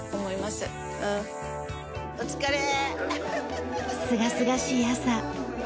すがすがしい朝。